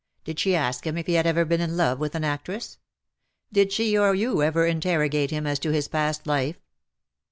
Did she ask him if he had ever been in love with an actress ? Did she or you ever interrogate him as to his past life?